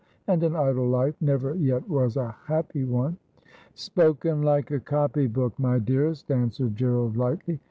And an idle life never yet was a happy one.' ' Spoken like a copy book, my dearest,' answered Gerald lightly.